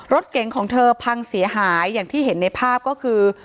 รถเก๋งของเธอพังเสียหายอย่างที่เห็นในภาพก็คือ